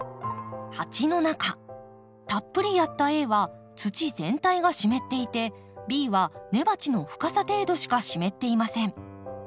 鉢の中たっぷりやったＡは土全体が湿っていてＢは根鉢の深さ程度しか湿っていません。